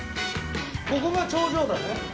ここが頂上だね。